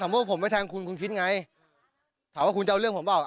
สำหรับว่าผมไปแทงคุณคุณคิดไงถามว่าคุณจะเอาเรื่องผมบ้าง